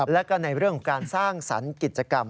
แล้วก็ในเรื่องของการสร้างสรรค์กิจกรรม